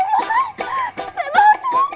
ya allah kang